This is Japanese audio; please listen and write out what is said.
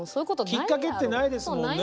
きっかけってないですもんね